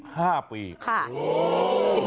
ค่ะ๑๕ปีแล้วครับ